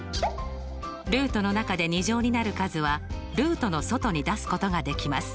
ルートの中で２乗になる数はルートの外に出すことができます。